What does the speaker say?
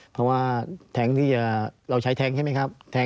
เพราะว่าแทงที่เราใช้แทงใช่ไหมครับ